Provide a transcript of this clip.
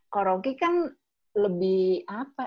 koroki kan lebih apa